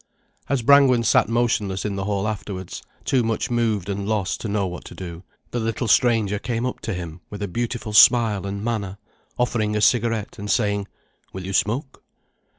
As Brangwen sat motionless in the hall afterwards, too much moved and lost to know what to do, the little stranger came up to him with a beautiful smile and manner, offering a cigarette and saying: "Will you smoke?"